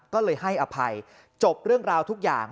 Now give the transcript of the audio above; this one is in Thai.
ก็เลยให้อภัยจบเรื่องราวทุกอย่าง